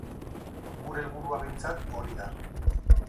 Gure helburua behintzat hori da.